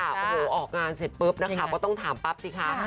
โอ้โหออกงานเสร็จปุ๊บว่าต้องถามป๊ับเลยที่ก้า